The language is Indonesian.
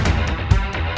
saya akan teach anda